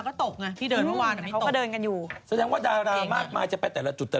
ครับนี้มีคนส่งมาประทับใจคุณบอยร์ปกรณ์